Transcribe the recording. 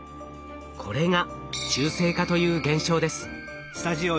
これが中性化という現象です。